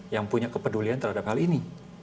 yang punya kepedulian terhadap hal ini